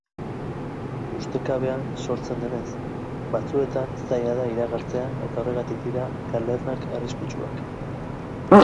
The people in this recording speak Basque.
Ustekabean sortzen denez, batzuetan zaila da iragartzea eta horregatik dira galernak arriskutsuak.